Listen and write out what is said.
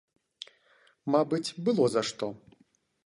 Мабыць, было за што.